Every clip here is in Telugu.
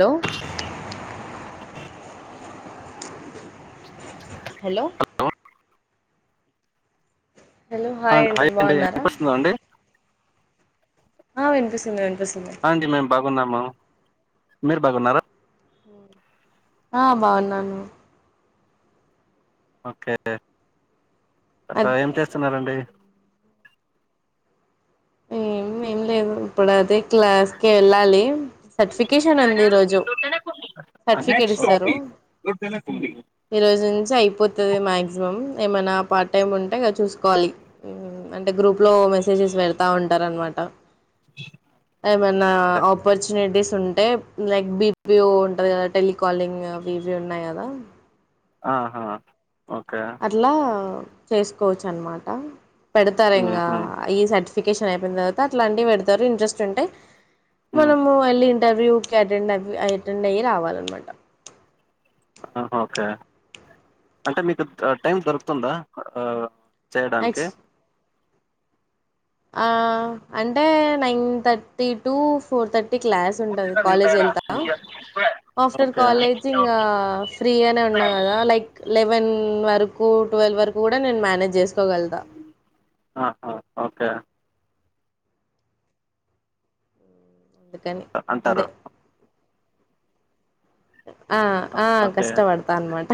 లో హెలో ఆ అండ్ హాయ్ అండి [unintelligible] ఇన్పిస్తుందా అండి ఆ విన్పిస్తుంది విన్పిస్తుంది ఆ అండి మేం బాగున్నాము మీరు బాగున్నారా హూ ఆ బావున్నాను ఓకే ఆ అది ఏం చేస్తున్నారండి ఏం ఏం లేదు ఇప్పుడు అది క్లాస్ కి ఎళ్ళాలి సర్టిఫికేషన్ ఉంది ఈ రోజు [unintelligible] ఈ రోజు నుంచి అయిపోతది మాగ్సిమం ఏమైనా పార్ట్ టైమ్ ఉంటే ఇగ చూసుకోవాలి ఊ అంటే గ్రూప్ లో మెసేజెస్ పెడతా ఉంటారనమాట ఏమన్నా ఆపర్చునిటీస్ ఉంటే లైక్ బీ పి ఓ ఉంటది కదా టెలికాలింగ్ అవి ఇవి ఉన్నాయి కదా ఆహా ఓకే అట్లా చేసుకోవచ్చు అనమాట పెడతారు ఇంకా ఉహు ఈ సర్టిఫ్ ఫికేషన్ అయిపోయిన తరువాత అట్లాంటివి పెడతారు ఇంట్రెస్ట్ ఉంటే ఉ మనము ఎల్లి ఇంటర్వ్యూ ట్లే అటెండ్ అవ్వి అటెండ్ అయ్యి రావాలన్నమాట ఆహా ఓకే అంటే మీతో క్ టైం దొరుకుతుందా ఆ చేయడానికి యాక్చ్ ఆ అంటే నైన్ థర్టీ టు ఫోర్ త టీ క్లాస్ ఉంటది కాలేజ్ ఎళ్తా మ్మ్. ఆఫ్టర్ ఓకే కాలేజ్ ఇంగా ఫ్రీగానే ఉన్నా కదా లై లెవెన్ వరకు టువెల్ వరకు కూడా నేను మేనేజ్ చేసుకోగల్తా ఆహా ఓకే అందుకని అదే అంటారు ఆ ఆ ఓకే కష్టపడతా అనమాట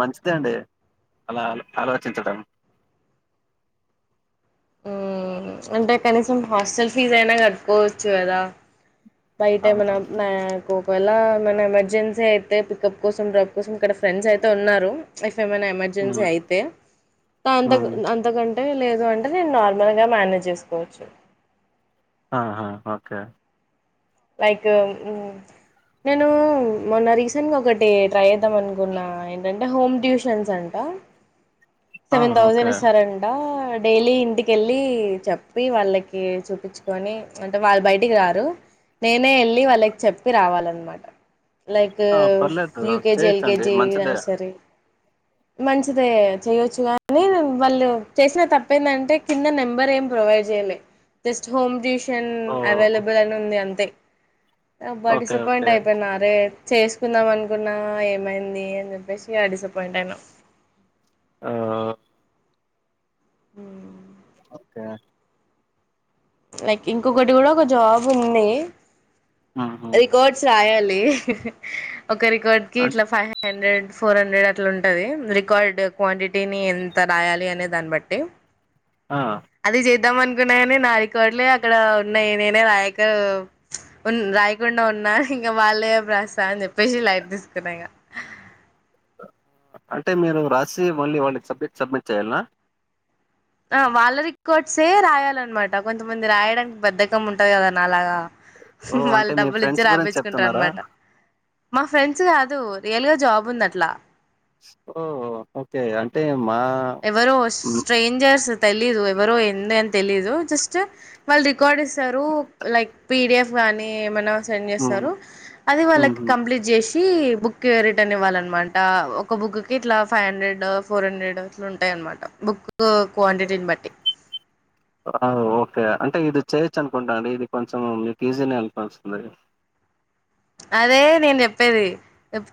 మంచిదే అండి అలా ఆలోచించడం ఊ అంటే కనీసం హాస్టల్ ఫీస్ అయినా కట్టుకోవచ్చు కదా బయట ఏమైనా నా కు ఒకవేళ ఏమైనా ఎమర్జెన్సీ అయితే పికప్ కోసం ర [unintelligible] ఇక్కడ ఫ్రెండ్స్ అయితే ఉన్నారు ఇఫ్ ఏమైనా ఉ ఎమర్జెన్సీ అయితే ఉ తాంతకు అంతకంటే లేదు అంటే నేను నార్మల్ గా మేనేజ్ చేసుకోవచ్చు ఆహా ఒకే లైక్ ఉహ్మ్ నేను మొన్న రీసెంట్గా ఒకటి ట్రై చేద్దాం అనుకున్నా ఏంటంటే హోమ్ ట్యూషన్స్ అంట ఆ! Seven okay. థౌజండ్ ఇస్తారు అ డైలీ ఇంటికెళ్ళి చెప్పి వాళ్ళకి చూపించుకొని అంటే వాళ్ళు బయటికి రారు నేనే వెళ్ళి వాళ్ళకి చెప్పి రావాలన్నమాట లైక్ ఆ! పర్లేదు యూకేజీ చేయొచ్చండి ఎల్కేజీ మంచిదే. నర్సరీ మంచిదే చేయొచ్చు కానీ హ్మ్. వాళ్ళు చేసిన తప్పు ఏంది అంటే కింద నెంబర్ ఏం ప్రొవైడ్ చేయ్యలే జస్ట్ హోమ్ తుస్ షన్ ఓహ్! అవైలబుల్ అని ఉంది అంతే అబ్బా ఓకే. ఓకే. డిసప్పాయింట్ అయిపోయిన అరే చేసుకుందాం అనుకున్నా ఏమైంది అని చెప్పేసి ఇగ డిసప్పాయింట్ అయినా ఆ ఉ ఓకే లైక్ ఇంకొకటి కూడా ఒక్క జాబ్ ఉంది ఉహు రికార్డ్స్ రాయాలి అహహా ఒక రికార్డ్ కి అన్ ఇట్లా ఫైవ్ హాన్ ఫైవ్ హండ్రెడ్ ఫోర్ హండ్రెడ్ అట్లా ఉంటుది రికార్డ్ క్వాంటిటీని ఎంత రాయాలి అనే దాన్ని బట్టి ఆ అది చేద్దాం అన్నుకున్న గానీ నా రికార్డు లే అక్కడ ఉన్నాయి నేనే రాయక ఉన్ రాయకుండా ఉన్నా ఇంకా వాళ్ళే ప్రసా అని చెప్పేసి లైట్ తీసుకున్నా ఇంకా అంటే మీరు రాసి మళ్ళీ వాళ్ళకి సబ్జె సబ్మిట్ చేయ్యాల నా ఆ వాళ్ళ రికార్డ్స్ ఏయ్ రాయాలన్నమాట కొంతమంది రాయడానికి బద్దకం ఉంటది గా నాలాగా ఉహు ఓహ్! వాళ్ళు అంటే మీ డబ్బులు ఫ్రెండ్స్ ఇచ్చి గురించి రాపిచ్చుకుంటారు చెప్తున్నారా? అన్నమాట మా ఫ్రెండ్స్ కాదు రియల్ గా జాబ్ ఉంది అట్లా ఓహో ఒకే అంటే మా ఎవరో హ్మ్. స్ట్రేంజర్స్ తెలీయదు ఎవరో ఎంది అని తెలీదు జస్ట్ వాళ్ళు రికార్డ్ ఇస్తారు లైక్ పిడిఎఫ్ గాని ఏమి అన్నా సెండ్ హ్మ్. చేస్తారు అది వాళ్ళకి హుహు. కంప్లీట్ చేస్ కి బుక్ రిటర్న్ ఇవ్వాలన్నమాట ఒక బుక్కి ఇట్లా ఫైవ్ హండ్రెడ్ ఫోర్ హండ్రెడ్ అట్లు ఉంటాయి అన్నమాట బుక్ క్వాంటిటీని బట్టి ఆ ఓకే అంటే ఇది చేయొచ్చు అనుకుంటా అండి ఇది కొంచెం మీకు ఈజీనే అని వోస్తుంది అదే నేను చెప్పేది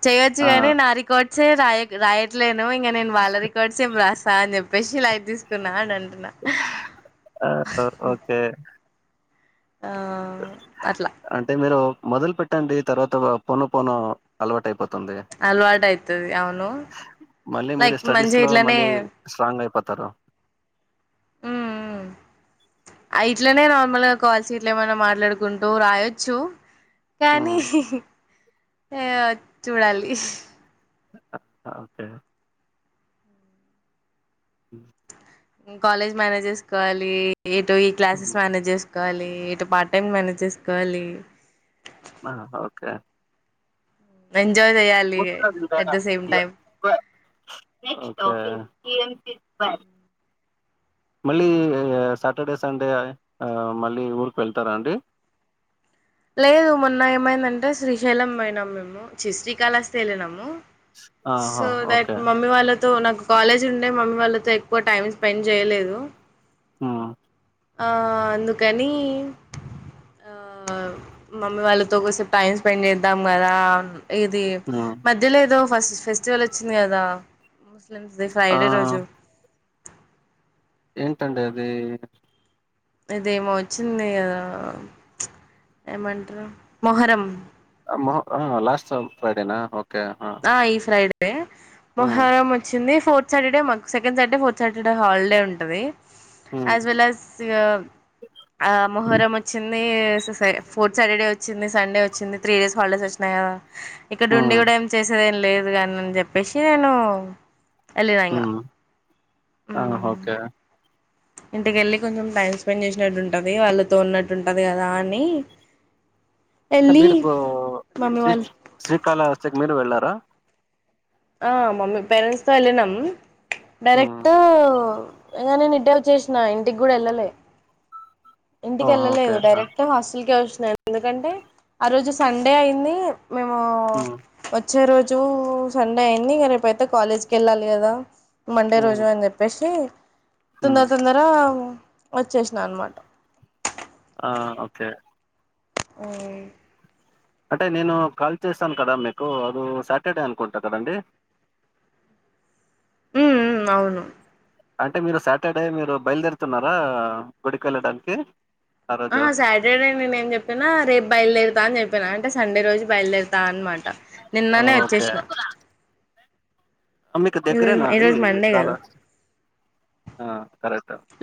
చేయొచ్చు ఆ! కాగాని నా రికార్డ్స్ రాయ్ రాయ్ క్లేను ఇంక నేను వాళ్ళ రికార్డ్స్ ఏం రాస్తా అని చెప్పేసి లైట్ తీసుకున్నా అని అంటున్నా ఆ ఓకే ఆ అట్లా అంటే మీరు మొదలు పెట్టండి తర్వాత పొను పొను అలవాటు అయిపోతుంది అలవాటు అవుతుది అవును మళ్ళీ మీరు లైక్ స్టడీస్ మంచి గ లో ఇట్లనే మళ్ళీ స్ట్రాంగ్ అయిపోతారు అయి ఇట్లనే నార్మల్ గా కాల్స్ ఇట్ల ఏమన్నా మాట్లాడుకుంటూ రాయొచ్చు కానీ హ్మ్. హుహు ఏ చూడాలి ఓకే కాలేజ్ మేనేజ్ చేసుకోవాలి ఎటో ఈ క్లాసెస్ హ్మ్. మేనేజ్ చేసు కోవాలి ఇటు పార్ట్ టైమ్ మేనేజ్ చేసుకోవాలి ఓకే ఎంజోయ్ చేయాలి అట్ ద సేమ్ టైం ఒకే మళ్ళీ సాటర్డే సండే మళ్ళీ ఊరికి వెళ్తారా అండి లేదు మొన్న ఏమైందంటే శ్రీశైలం పోయినాం మేము చి శ్రీకాళాహస్తి వెళ్ళినము ఆహా! So that okay. మమ్మీ వాళ్ళతో నాకు కాలేజ్ ఉండే మమ్మీ వాళ్ళతో ఎక్కువ టైం స్పెండ్ చేయలేదు హా అందుకని మమ్మీ వాళ్ళతో కూసేపు టైం స్పెండ్ చేద్దాం కదా ఇది హ్మ్. మ ద్యలో ఏదో ఫస్ట్ ఫెస్టివల్ వచ్చింది కదా ముస్లిమ్స్ది ఆ! ఫ్రైడే రోజు ఏంటండి అది ఇదేమో వచ్చింది కదా ఏమంటారు మొహరం లాస్ట్ ఫ్రైడేనా ఓకే ఆ ఈ ఫ్రైడే హ్మ్. మొహరం వచ్చింది ఫోర్ సాటడే మాకు second Saturday fourth Saturday holiday ఉంటది హ్మ్. ఆస్ వెల్ అస్ ఆ మొహరం వచ్చింది ససై ఫోర్త్ సాటర్డే వచ్చింది సండే వచ్చింది త్రీ డేస్ హాలిడేస్ వచ్చినయి కదా ఇక్కడ ఉండి హ్మ్. కూడా ఏం సరేం లేదు కాని అని చెప్పేసి నేను వెళ్ళిన ఇంకా హ్మ్. ఆ ఓకే ఇంటికెళ్ళి కొంచెం టైం స్పెండ్ చేసినట్టు ఉంటది వాళ్ళతో ఉన్నట్టు ఉంటది కదా అని ఎల్లి మమ్మి వాళ్ల్ శ్రీకాళాహస్తి కి మీరు వెళ్ళారా ఆ మమ్మీ పేరెంట్స్ తో వెళ్ళినాం హ్మ్. డైరెక్ట్ ఇంగా నేను ఇటె వచ్చేసినా ఇంటికి కూడా వెళ్ళలే ఓహ్! ఇంటికెల్లలేదు ఓకే. డైర్ ఆ! క్ట్ హాస్టల్ కే వచ్చినా ఎందుకంటే ఆ రోజు సండే అయింది మేము హ్మ్ వచ్చే రోజు సండే అయింది ఇక రేపుయితే కాలేజ్కి వెళ్ళాలి కదా మండే హ్మ్ రోజు అని చెప్పేసి హ్మ్. తొందర తొందర వచ్చేసిన అనమాట ఆ ఓకే హ్మ్ అంటే నేను కాల్ చేస్తాను కదా మీకు అద సాటర్డే అనుకుంటా కదండి ఉ అవును అంటే మీరు సాటర్డే మీరు బయలుదేరుతున్నారా గుడికి వెళ్ళడానికి ఆహా సాటర్డే నేను ఏం చెప్పినా రేపు బయలుదేరుతా అనీ చెప్పినా అంటే సండే రోజు బయలుదేరు అన్నమాట ఆ! నిన్ననే ఓకే. వచ్చేసిన మీకు ఈ రోజు ఈ దగ్గరేనాది రోజు మండే కదా కాలహస్తి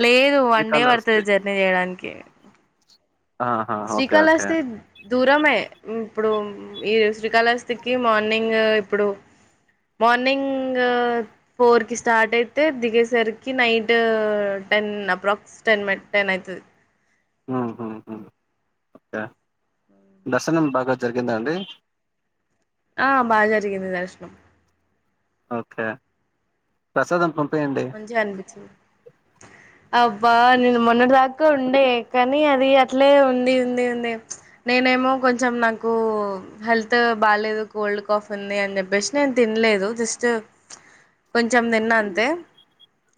లేదు వన్ డే పడుతది జర్నీ చేయడానికి ఆహా! ఓకే. ఓకే. శ్రీకాళస్తి దూరమే ఇప్పుడు ఈ శ్రీకాళస్తికి మార్నింగ్ ఇప్పుడు మార్నింగ్ ఫోర్ కి స్టార్ట్ అయితే దిగేసరికి నైట్ టెన్ అప్రాక్సి స్ మే టెన్ అఐతది ఉహుహు ఓకే దర్శనం బాగా జరిగిందాండి ఆ బాగ జరిగింది దర్శనం ఓకే ప్రసాదం పంపపియండి మంచిగనిపించింది అబ్బా నేను మొన్నటిదాకా ఉండే కానీ అది అట్లే ఉంది ఉంది ఉంది నేనేమో కొంచెం నాకు హెల్త్ బాలేదు కోల్డ్ కాఫ్ ఉంది అని చెప్పేసి నేను తినలేదు జస్ట్ కొంచెం తిన్న అంతే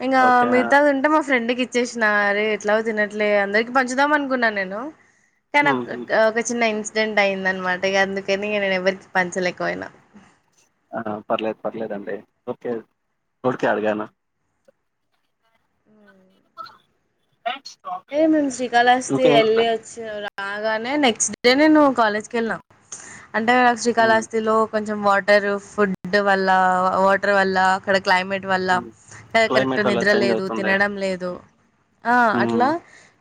ఇంకా ఓకే. ఆ! మిగతాదుంటే మా ఫ్రెండ్కి ఇచ్చ ఇచ్చేసిన అరే ఎట్లాగో తినట్లే అందరికి పంచుదాం అనుకున్న నేను కానీ హ్మ్. హ్మ్. చిన్న ఇన్సిడెంట్ అయిందన్నమాట ఇక అందుకని ఇక నేను ఎవరికి పంచలేకపోయినా ఆ పర్లేదు పర్లేదండి ఓకే ఊరికే అడిగాను అంటే మేము శ్రీకాళాస్తే ఇంకే వెళ్ళి రాగానే నెక్స్ట్ డే నేను కాలేజ్కి వెళ్ళినా అంటే నాకు హ్మ్. శ్రీకాళాస్తిలో కొంచెం వాటర్ ఫుడ్ వల్ల వాటర్ వల్ల అక్కడ క్లైమేట్ వల్ల హ్మ్. కరెక్ట్ క్లైమేట్ అలా నిద్ర చేంజ్ లేదు అవుతుంది తినడం లేదు ఆ ఉమ్ అట్లా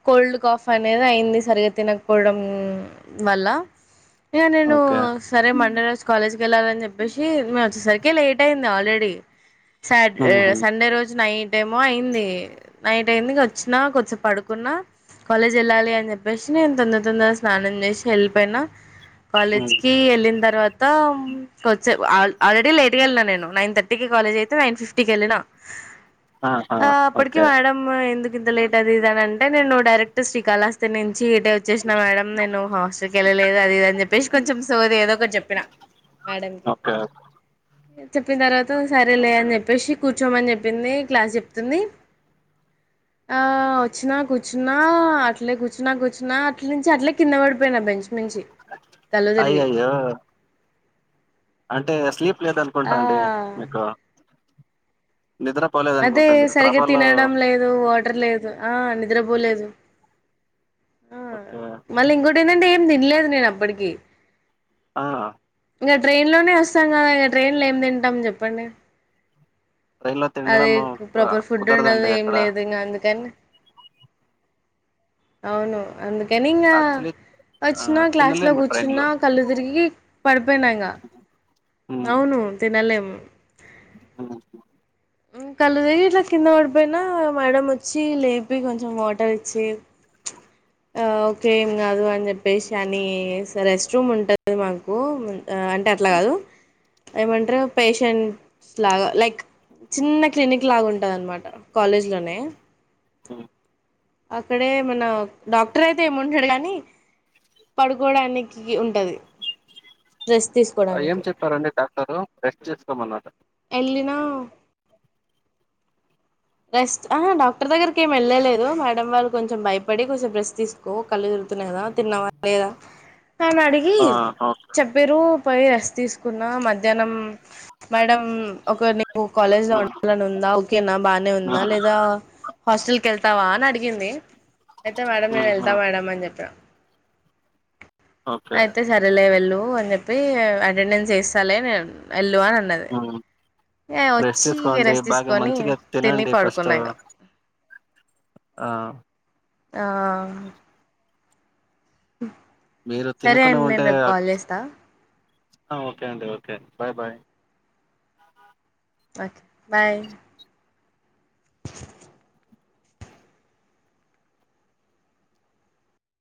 కోల్డ్ కాఫ్ అనేది అయింది సరిగ తినకపోవడం వల్ల ఇక నేను ఓకే సరే మండే రోజు కాలేజ్కి వెళ్ళాలని చెప్పేసి మేము వచ్చేసరికి లేట్ అయింది ఆల్రెడీ సాటే ఉహు సండే రోజు నైట్ ఏమో అయింది నైట్ అయింది వచ్చిన కొంచెం పడు కున్న కాలేజ్ వెళ్ళాలి అని చెప్పేసి నేను తొందర తొందరగా స్నానం చేసి ఎల్లిపోయిన ఉమ్ కాలేజ్ కి వెళ్ళిన తర్వాత కొద్దిసేపు ఆల్రెడీ లేట్గ వెళ్ళిన నేను నైన్ థర్టీకి కాలేజ్ అయితే నైన్ ఫిఫ్టీకి వెళ్ళిన ఆహా ఆ అప్పటికి ఓకే మేడం ఎందుకింత లేట్ అది ఇదనంటే అంటే నేను డైరెక్ శ్రీకాళహస్తినించి ఇటే వచ్చేసిన మేడం నేను హాస్టల్కి వెళ్ళలేదు అది ఇది అని చెప్పేసి కొంచెం సోది ఏదో ఒకటి చెప్పిన మేడం కి ఓకే చెప్పిన తర్వాత సరేలే అని చెప్పేసి కూర్చోమని చెప్పింది క్లాస్ చెప్తుంది ఆ వచ్చిన కూర్చున్నా అట్లే కూర్చున్నా కూర్చున్న అట్ల నుంచి అట్లే కింద పడిపోయినా బెంచ్ మించి కళ్ళు తిరిగి ఆ అంటే స్లీప్ ఆ లేదనుకుంటా అండి మీకు నిద్ర అదే పోలేదనుకుంటా మీరు సరిగా ట్రావెల్లో తినడం లేదు వాటర్ లేదు ఆ నిద్రపోలేదు ఆ ఓకే మళ్ళీ ఇంకోటి ఏంటంటే ఏం తినలేదు నేను అప్పటికి ఆ ఇంక ట్రైన్లోనే వస్తాం కదా ఇంక ట్రైన్ లో ఏం తింటాం చెప్పండి ట్రైన్ లో అది తినడం ఆ ప్రాపర్ ఫుడ్ ఉండదు కుదరదండి ఏం అక్కడ లేదు ఇకా అందుకని అవును అందుకనింగా యాక్చువల్లీ ఆ వచ్చిన క్లాస్లో తినలేము ట్రైన్ లో కూర్చున్నా కళ్ళు తిరిగి పడిపోయినా ఇంక అవును తినలేం ఆహా కళ్ళుతిరిగి ఇట్ల కింద పడిపోయినా మేడం వచ్చి లేపి కొంచెం వాటర్ ఇచ్చి ఓకే ఏం కాదు అని చెప్పేసి అని రెస్ట్ రూమ్ ఉంటుంది మాకు అంటే అట్లా కాదు ఏమంటారుే పేషెంట్స్ లాగా లైక్ చిన్న క్లినిక్ లాగుంటంది అనమాట కాలేజ్ లోనే ఆ అక్కడే మన డాక్టర్ అయితే ఏమంటాడు కాగాని పడుకోడానికి ఉంటుంది రెస్ట్ తీసుకో ఏం చెప్పారంండి డాక్టరు రెస్ట్ చేసుకోమన్నారా ఎళ్ళిన రెస్ట్ ఆహా డాక్టర్ దగ్గరకిమి వెళ్లేదు మేడంమ్ వాళ్ళు కొంచెం భయపడి కొంచెం రేస్ తీసు కో కళ్ళు తిరుతున్నాయికాదా తిన్నవా లేదా అని అడిగి ఆ ఓకే చెప్పారు పోయ రెస్ట్ తీసుకున్న మద్ ధ్యాహ్నం మేడం ఒక నీవు కాలేజ్ లో ఉమ్ ఉండాలని ఉందా ఓకేనా బాగానే ఉందా ఉమ్ లేదా దా హాస్టల్ కి ఎళ్తావా అని అడిగింది అయితే మేడం నేను ఉహు ఎళ్తా మేడం అని చెప్పా ఓకే అయితే సరేలే వెళ్ళు అని చెప్పి అటెండెన్స్ చేస్తాలేే నేన్ ఎళ్ళు అని అన్నది హు ర్రెష్ వచ్చి తీసుకోండి రెస్ట్ బాగా తీసుకొని మంచిగా తిని తినండి ఫస్ట్ పడుకున్నా ఇంగ ఆ ఆ ఉ మీరు తినుకున్నా ఉంటే ఓకే అండి okay bye bye okay bye